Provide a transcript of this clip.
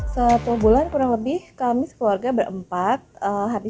sebelumnya kangen satu belas harga lebih